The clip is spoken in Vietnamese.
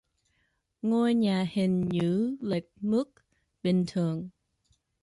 Ngôi nhà hình như lệch mức bình thường